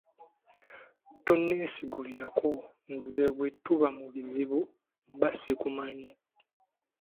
Tonneesigulirako nze bwe tuba mu bizibu mba sikumanyi.